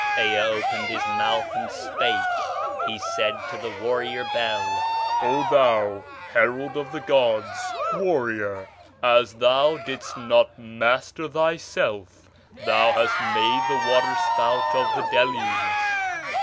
Ea opened his mouth and spake; he said to the warrior Bel: "O thou, herald of the gods, warrior, as thou didst not master thyself, thou hast made the water spout of the Deluge.